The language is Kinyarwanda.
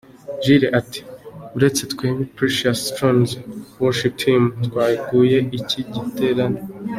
Jules ati Buretse twebwe Precious Stones Worship team twateguye icyi giterane.